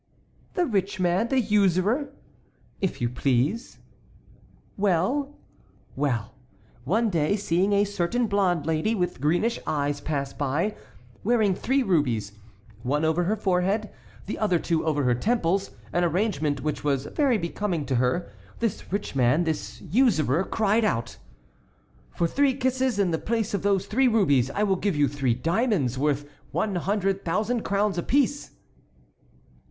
"The rich man, the usurer?" "If you please." "Well?" "Well! One day seeing a certain blonde lady, with greenish eyes, pass by, wearing three rubies, one over her forehead, the other two over her temples, an arrangement which was very becoming to her, this rich man, this usurer, cried out: "'For three kisses in the place of those three rubies I will give you three diamonds worth one hundred thousand crowns apiece!'"